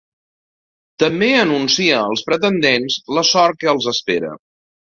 També anuncia als pretendents la sort que els espera.